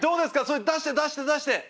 それ出して出して出して。